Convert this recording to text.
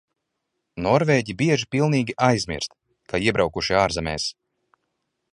Norvēģi bieži pilnīgi aizmirst, ka iebraukuši ārzemēs.